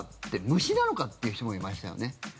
虫なのか？って人もいましたよね。